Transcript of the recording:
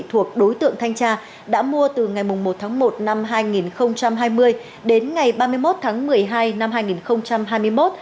thuộc đối tượng thanh tra đã mua từ ngày một tháng một năm hai nghìn hai mươi đến ngày ba mươi một tháng một mươi hai năm hai nghìn hai mươi một